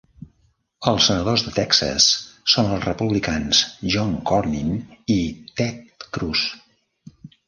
Els senadors de Texas són els republicans John Cornyn i Ted Cruz.